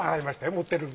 持ってる分。